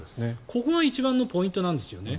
ここが一番のポイントなんですよね。